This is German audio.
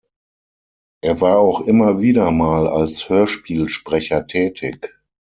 Er war auch immer wieder mal als Hörspielsprecher tätig.